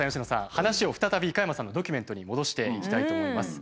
話を再び加山さんのドキュメントに戻していきたいと思います。